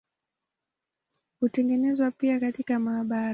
Hutengenezwa pia katika maabara.